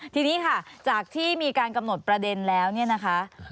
ทีนี้ค่ะจากที่มีการกำหนดประเด็นแล้วเนี่ยนะคะ